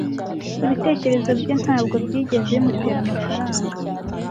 Ibitekerezo bye ntabwo byigeze bimutera amafaranga.